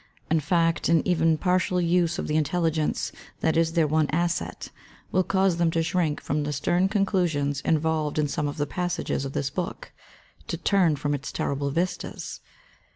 In facft, an even partial use of the intell^ence that is their one asset will cause them to shrink from the stem conclusions involved in some of the passages of this book— to turn from its terrible vistas.